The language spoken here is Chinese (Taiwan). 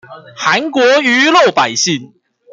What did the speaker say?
韓國魚肉百姓